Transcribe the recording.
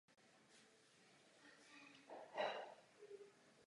A to je to, co od nové směrnice požadujeme.